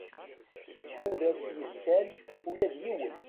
Ur as-yessal ula d yiwen.